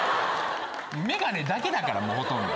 眼鏡だけだからもうほとんど。